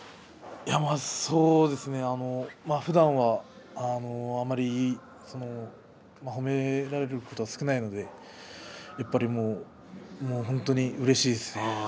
そうですねふだんはあまり褒められることは少ないのでうれしいです。